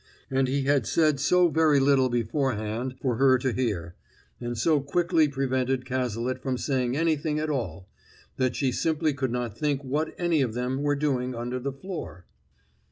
And he had said so very little beforehand for her to hear, and so quickly prevented Cazalet from saying anything at all, that she simply could not think what any of them were doing under the floor.